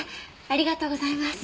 ありがとうございます。